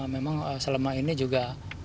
memang selama ini juga